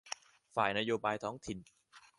ฝ่ายนโยบายท้องถิ่น